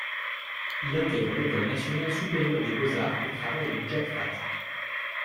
Il intègre l’École nationale supérieure des beaux-arts et travaille chez Jacques Fath.